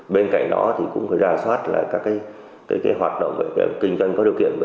bên cạnh đó cũng phải ra soát các hoạt động kinh doanh có điều kiện